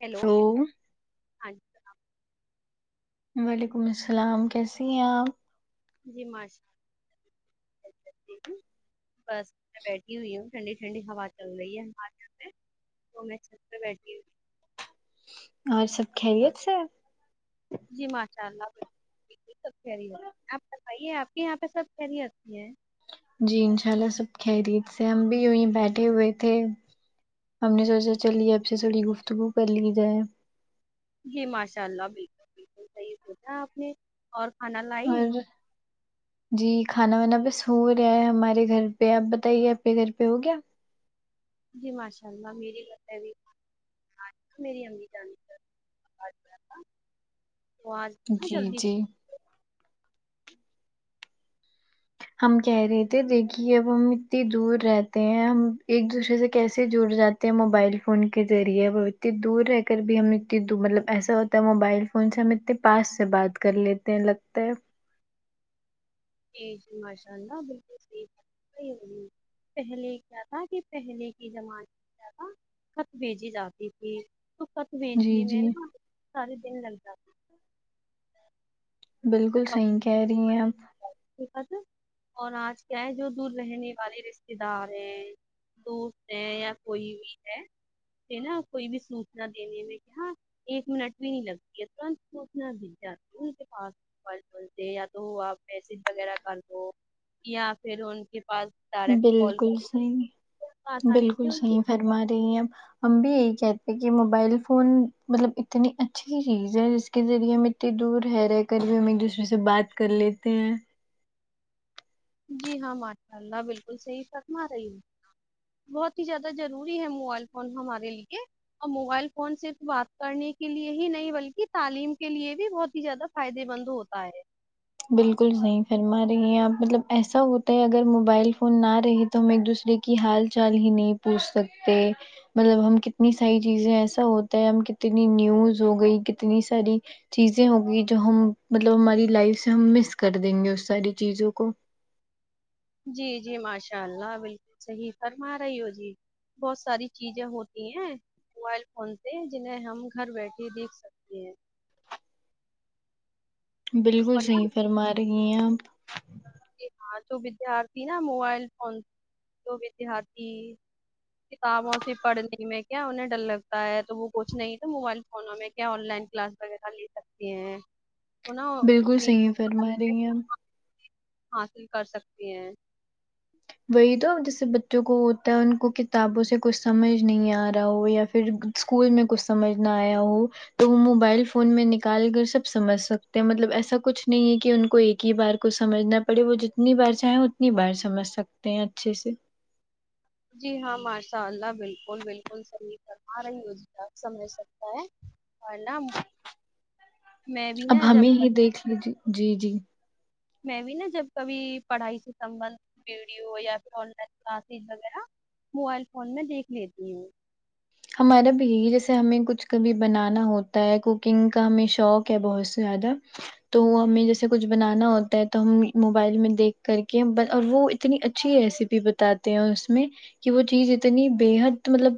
hello hello ہاں جی سلام وعلیکم السلام کیسیے ہیں آپ جی ماش بس میں بیٹھی ہوئی ہوں ٹھنڈی ٹھنڈی ہوا چل رہی ہے ہمارے یہاں پہ وہ میں چھت پہ بیٹھی ہوئی ہوں اور سب خیریت سےہے جی ماشاء اللہ بل جی جی سب خیریت آپ بتائیے آپ کے یہاں پہ سب خیریت سی ہیں جی انشاء اللہ سب خیریت سے ہے ہم بھی یوں ہی بیٹھے ہوئے تھے ہم نے سوچا چلی اب سے تھوڑی گفتگو کر لی جائے جی ماشاء اللہ بالکل بالکل صحیح سوچا آپ نے اور کھانا لائی اور جی کھانا وانا بس ہو رہا ہے ہمارے گھر پہ آپ بتائیے آپ کے گھر پہ ہو گیا جی ماشاء اللہ میری گھر پہ بھی اج تو میری امی جان [unintelligible] تھا تو آج نا جی جلدی جی ہم کہہ رہے تھے دیکھیے اب ہم اتنی دور رہتے ہیں ہم ایک دوسرے سے کیسے جڑ جات موبائل فون کے ذریعے وہ اتنی دور رہ کر بھی ہم اتنی مطلب ایسا ہو موبائل فون سے ہم اتنے پاسٹ سے بات کر لیتے ہیں لگتا ہے جی جی ماشاء اللہ بالکل صحیح فرما رہی ہو جی پہلے کیا تھا کہ پہلے کے زمانے میں کیا تھا خط بھیجی جاتی تھی تو خط جی بیجنے جی میں نا سارے دن لگ جاتے بالکل صحیح کہہ رہی ہے اپ باتھ اور آج کیا ہے جو دور رہنے والے رشتے دار ہیں دوست ہیں یا کوئی بھی ہے نا کوئی بھی سوچنا دینے میں کہ ہاں ایک منٹ بھی نہیں لگتی ہے [unintelligible] ان کے پاس بولتے یا تو آپ میسج وغیرہ کر لو یا پھر ان کے پاس ڈائریکٹ کال بالکل کر صحیح آسانی سے بالکل ان کی- صحیح فرما رہی ہےآپ ہم بھی یہی کہتے ہیں کہ موبائل فون مطلب اتنی اچھی چیز ہے جس کے ذریعے ہمیں اتنی دور ہے رہ کر بھی ہم ایک دوسرے سے بات کر لیتے ہیں جی ہاں ماشا اللہ بالکل صحیح فرما رہی ہے بہت ہی زیادہ ضروری ہین مبآ ئل فون ہمارے لیے اور موبائل فون سرف بات کرنے کے لیے ہی نہیں بلکہ تعلیم کے لیے بھی بہت ہی زیادہ فائدے مند ہوتا ہے بالکل صحیح فرما رہی ہیں آپ مطلب ایسا ہوتا ہے اگر موبائل فون نہ رہے تو ہم ایک دوسرے کی حال چال ہی نہیں پوچھ سکتے مطلب ہم کتنی ساری چیزیں ایسا ہوتا ہے ہم کتنی نیوز ہو گئی کتنی ساری چیزیں ہوگی جو ہم مطلب ہماری لائف سے ہم مس کر دیں گے اس ساری چیزوں کو جی جی ماشاء اللہ بالکل صحیح فرما رہی ہو جی بہت ساری چیزیں ہوتی ہیں موبائل فون پہ جنہیں ہم گھر بیٹھے دیکھ سکتے ہیں بالکل اور نا صحیح فرما رہی ہیں آپ یہ فالتو جو ودیارتھی نا موبائل فون تو ودارتھی کتابوں سے پڑھنے میں کیا انہیں ڈر لگتا ہے تو وہ کچھ نہیں تو موبائل فو نوں میں کیا آن لائن کلاس وغیرہ لے سکتی ہیں تو نا بالکل اپنی صحیح ہے تعلیم فرمارائے ہیں حاصل کر سکتی ہیں وہی تو جیسے بچوں کو ہوتا ہے ان کو کتابوں سے کچھ سمجھ نہیں آ رہا ہو یا پھر اسکول میں کچھ سمجھ نہ آیا ہوں تو وہ موبائل فون میں نکال کر سب سمجھ سکتے ہیں مطلب ایسا کچھ نہیں ہے کہ ان کو ایک کی بار کو سمجھنا پڑے وہ جتنی بار چاہیں اتنی بار سمجھ سکتے ہیں اچھے سے جی ہاں ماشاء اللہ بالکل بالکل صحیح فرمارہی ہو سمجھ سکتا ہے اور نہ ہم اب ہمیں ہی دیکھ لیجیے جی جی میں بھی نا جب کبھی پڑھائکے سمبہا ندھ ویڈیو یا پھر آن لائن کلاسز وغیرہ موبائل فون میں دیکھ لیتی ہوں ہمارا بھی یہی جیسے ہمیں کچھ کبھی بنانا ہوتا ہے کوکنگ کا ہمیں شوق ہے بہت سے زیادہ تو ہمیں جیسے کچھ بنانا ہوتا ہے تو ہم موبائل میں دیکھ کر کے اور وہ اتنی اچھی ریسیپی بتاتے ہیں اس میں کی وہ چیز اتنی بےحد مطلب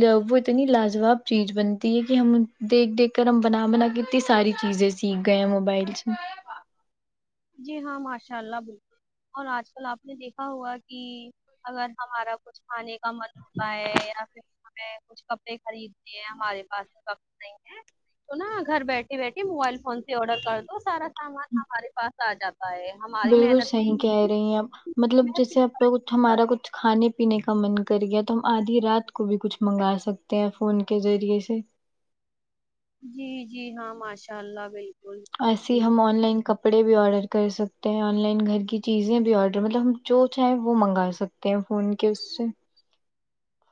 لؤ وہ اتنی لاجواب چیز بنتی ہے کہ ہم دیکھ دیکھ کر ہم بنا بنا کےا تنی ساری چیزیں سیکھ گیے موبائل سے جی ہاں ماشاء اللہ بلکل اور آج کل آپ نے دیکھا ہوگا کی اگر ہمارا کچھ کھانے کا من ہوتا ہے یا پھر ہمیں کچھ کپڑے خریدنے ہیں ہمارے پاس تو کپڑے ہی نیہی ہے تو نا گھر بیٹھے بیٹھیے موبائل فون سے آڈر کر دو سارا سامان ہمارے پاس آ جاتا ہے ہماری بالکل محنت صحیح کہہ رہی ہیں آپ مطلب محنت بھی نہیں جیسے آپکا کچھ کرتا ہمارا کچھ کھانے پینے کا من کر گیا تو ہم آدھی رات کو بھی کچھ منگا سکتے ہیں فون کے ذریعے سے جی جی ہاں ماشاء آلہ بھائی ایسی ہی ہم آن لائن کپ پڑے بھی آڈر کر سکتے ہیں آن لائن گھر کی چیزیں بھی آڈر مطلب ہم جو چاہیں وہ منگا سکت تے فون کس سے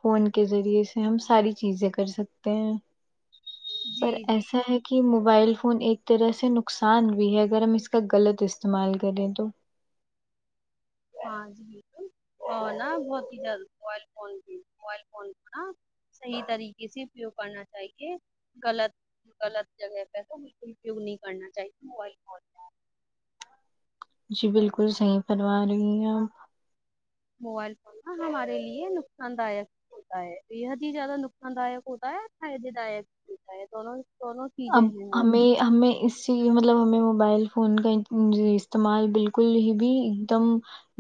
فون کے ذریعے سے ہم ساری چیزیں کر سکتے ہیں پر جی ایسا ہے کہ موبائل فون ایک طرح سے نقصان بھی ہے اگر ہم اس کا غلط استعمال کریں تو ہاں جی ھو نا بہت ہی جلد موبائل فون کی موبائل فون کو نا صحیح طریقے سے اپیوگ کرنا چاہیے غلط غلط جگہ پہ تو بلکل اپیوگ نہیں کرنا چاہیے موبائل فون جی بالکل صحیح فرما رہی ہیں آپ موبائل فون نا ہمارے لیے نقصان دائک ہوتا ہے بےحد ہی زیادہ نقصان دائک ہوتا ہے فائدے دائک ہوتا ہے دونوں دونوں چیزیں اب ہیں وہ ہمیں ہمیں اس اسی لیے مطلب ہمیں موبائل فون کا استعمال بالکل ہی بھی ایک دم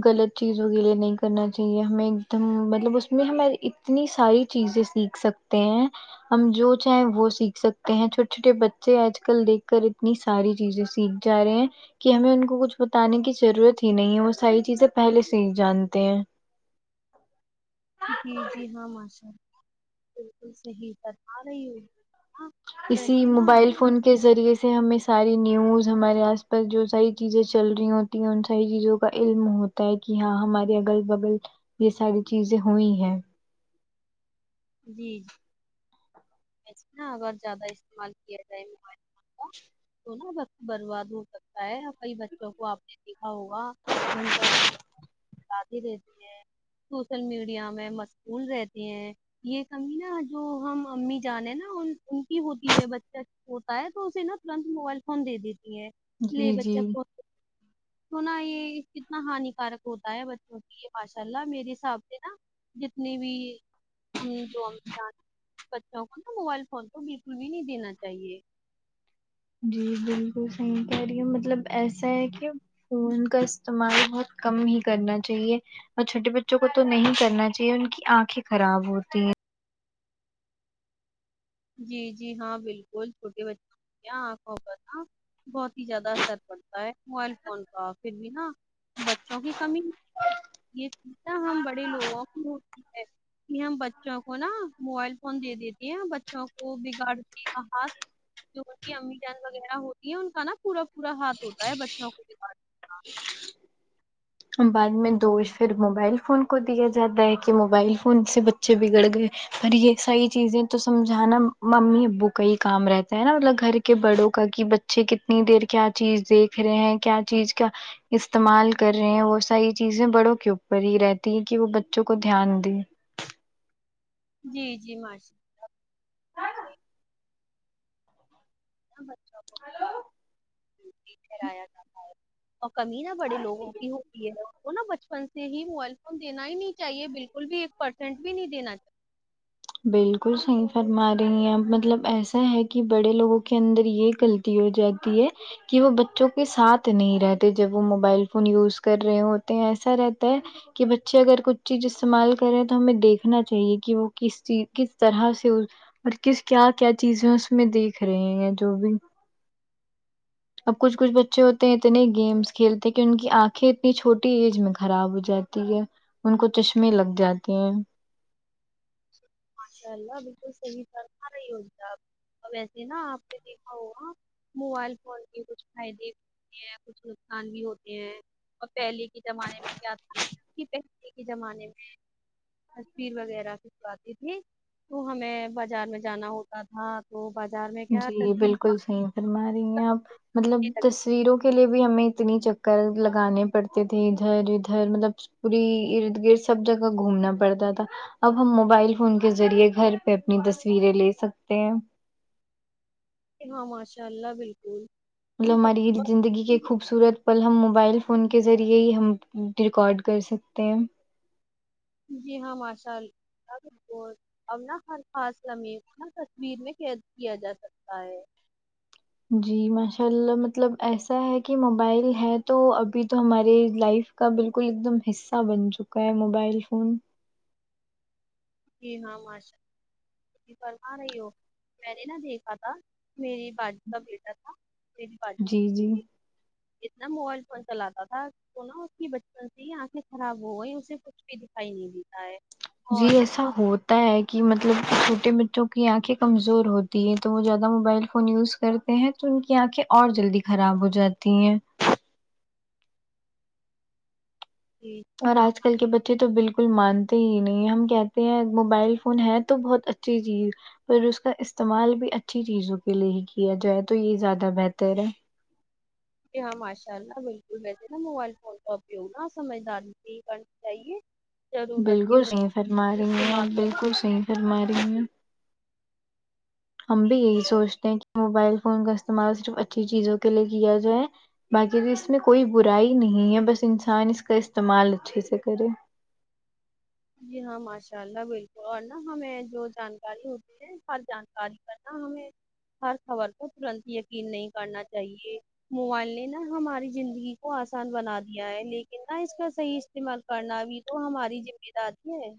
غلط چیزوں کے لیے نہیں کرنا چاہیے ہمیں ایک دم مطلب اس میں ہماری اتنی ساری چیزیں سیکھ سکتے ہیں ہم جو چاہیں وہ سیکھ سکتے ہیں چھ چھوٹے بچے آج کل دیکھ کر اتنی ساری چیزیں سیکھ جا رہے ہیں کہ ہمیں ان کو کچھ بتانے کی ضرورت ہی نہیں ہے وہ ساری چیزیں پہلے سے ہی جانتے ہیں جی جی ہاں ماشاء اللہ بالکل صحیح فرما رہی ہے ہاں اسی موبائل فون کے ذریعے اس سے ہمیں ساری نیوز ہمارے آس پاس جو ساری چیزیں چل رہی ہوتی ہیں ان ساری چیزوں کا علم ہو تا ہے کہ ہاں ہمارے اگل بگل یہ ساری چیزیں ہوئی ہیں جی ایسا اگر زیادہ استعمال کیا جائے موبائل فون کا تو نا وقت برباد ہو سکتا ہے کئی بچوں کو آپ نے دیکھا ہوگا گھنٹوں اتی رہتی ہیں سوشل میڈیا میں مشغول رہتی ہیں یہ کمی نا جو ہم امی جان ہے نا ان ان کی ہوتی ہے بچت ہوتا ہے تو اسے نا ترنت موبائل فون دے دیتی ہے لے جی بچہ جی کو تو نا یہ کتنا ہانیکارک ہوتا ہے بچوں کی یہ ماشاء اللہ میرے حساب سے نا جتنی بھی ہم جو ہماہتے بچوں کو نا موبائل فون کو بالکل بھی نہیں دینا چاہیے جی بالکل صحیح کہہ رہی مطلب ایسا ہے کہ فون کا استعمال بہت کم ہی کرنا چاہیے اور چھوٹے بچوں کو تو نہیں کرنا چاہیے ان کی آنکھیں خراب ہوتی ہیں جی جی ہاں بالکل چھوٹے بچے یہاں آنکھوں پر نا بہت ہی زیادہ اثر پڑتا ہے موبائل فون کا پھر بھی نا بچوں کی کمی یہ چتا ہم بڑے لوگوں کو ہوتی ہے یہ ہم بچوں کو نا موبائل فون دے دیتی ہیں بچوں کو بگاڑتی ہاتھ جو ان کی امی جان وغیرہ ہوتی ہے ان کا نا پورا پورا ہاتھ ہوتا ہے بچوں کو بیگاڑ بعد میں دوش پھر موبائل فون کو دیا جاتا ہے کہ موبائل فون سے بچ ے بگڑ گئے پر یہ صحیح چیزیں تو سمجھانا ممی ابو کا ہی کام رہتا ہے نا مطلب گھر کےبڑوں کا کہ بچے کتنی دیر کیا چیز دیکھ رہے ہیں کیا چیز کا استعمال کر رہے ہیں وہ ساری چیزیں بڑوں کے اوپر ہی رہتی ہے کہ وہ بچوں کو دھیان دیں جی جی ماش [unintelligible] بچوں کو [unintelligible] ٹھرایا جاتا ہے اور کمی نہا بڑے لوگوں کی ہوتی ہے وہ نا بچپن سے ہی موبائل فون دینا ہی نہیں چاہیے بالکل بھی ایک پرسینٹ بھی نہیں دینا بالکل صحیح فرما رہی ہیں آپ مطلب ایسا ہے کہ بڑے لوگوں کے اندر یہ کنفیو تی ہو جاتی ہے کہ وہ بچوں کے ساتھ نہیں رہتے جب وہ موبائل فون یوز کر رہے ہوتے ہیں ایسا رہتا ہے کہ بچے اگر کچھ چیز استعمال کرے تو ہمیں دیکھنا چاہیے کہ وہ کس چیز کس طرح سے اور کس کیا کیا چیزیں اس میں دیکھ رہے ہیں جو بھی اب کچھ کچھ بچے ہوتے ہیں اتنے گیمس کھیلتے ہیں کہ ان کی آنکھیں اتنی چھوٹی ایج میں خراب ہو جاتی ہے ان کو چشمے لگ جاتے ہیں ماشاءاللہ بالکل صحیح فرما رہی ہو بیٹا آپ ویسے نا آپ نے دیکھا ہوگا موبائل فون کے کچھ فائدے ہے کچھ نقصان بھی ہوتے ہیں اور پہلے کے زمانے میں کیا تھا کہ پہلے کے زمانے میں تصویر وغیرہ کی جاتی تھی تو ہمیں بازار میں جانا ہوتا تھا وہ بازار میں کیا جی تصویر بالکل نکال صحیح فرما رہی کر ہیں آپ مطلب دینے جس لگتے تصویروں کے لیے بھی ہمیں اتنی چکر لگانے پڑتے تھے ادھر ادھر مطلب پوری ارد گرد سب جگہ گھومنا پڑتا تھا اب ہم موبائل فون کے ذریعے گھر پہ اپنی تصویریں لے سکتے ہیں ہاں ماشاء اللہ بالکل مطلب نا، ہماری یہ زندگی کے تصویر خوبصورت پل ہم موبائل فون کے ذریعے ہی ہم ریکارڈ کر سکتے ہیں جی ہاں ماشاء اللہ بہت اب نہ ہر خاص لمحہ کو نہ تصویر میں قید کیا جا سکتا ہے جی ماشاء اللہ مطلب ایسا ہے کہ موبائل ہے تو ابھی تو ہماری لائف کا بالکل ایک دم حصہ بن چکا ہے موبائل فون جی ہاں ماشاء اللہ جی کل آ رہی ہو میں نے نہ نا دیکھا تھا میری باجی کا بیٹا تھا میری جی جی باجی اتنا موبائل فون چلاتا تھا وہ نا اس کی بچپن سے یہ آنکھیں خراب ہو گئی اسے کچھ بھی دکھائی نہیں دیتا ہے جی اور نا ایسا بہت ہو ہوتا ہے کہ مطلب کہ چھوٹے بچوں کی آنکھیں کمزور ہوتی ہیں تو وہ زیادہ موبائل فون یوز کرتے ہیں تو ان کی آنکھیں اور جلدی خراب ہو جاتی ہیں جی اور آج کل کے بچے بچے تو بالکل مانتے ہی نہیں ہم کہتے ہیں موبائل فون ہے تو بہت اچھی چیز پر اس کا استعمال بھی اچھی چیزوں کے لیے ہی کیا جائے تو یہ زیادہ بہتر ہے جی ہاں ماشاء اللہ بالکل ویسے نا موبائل فون کا اپیوگ نہ سمجھداری سے ہی کرنا چاہیے ضرورت کے بالکل صحیح فرما مطابق رہی ہیں استعمال آپ کر بالکل صحیح فرما رہی ہیں ہم بھی یہی سوچتے ہیں کہ موبائل فون کا استعمال صرف اچھی چیزوں کے لیے کیا جائے باقی اس میں کوئی برائی نہیں ہے بس انسان اس کا استعمال اچھے سے کرے جی ہاں ماشاء اللہ بالکل اور نا ہمیں جو جانکاری ہوتی ہر جانکاری کرنا ہمیں ہر خبر کو جلدی یقین نہیں کرنا چاہیے موبائل نے نا ہماری زندگی کو آسان بنا دیا ہے لیکن نا اس کا صحیح استعمال پڑھنا بھی تو ہماری ذمہ داری ہے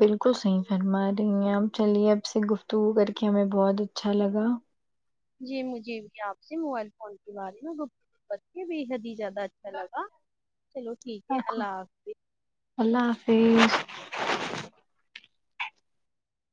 بالکل صحیح فرما رہی ہیں آپ چلیے آپ سے گفتگو کر کے ہمیں بہت اچھا لگا جی مجھے بھی آپ سے موبائل فون کے بارے میں گفتگو کر کے بے حد ہی زیادہ اچھا لگا چلو ٹھیک ہے آکھو اللہ حافظ اللہ حافظ